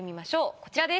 こちらです。